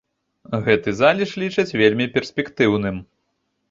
Гэты залеж лічаць вельмі перспектыўным.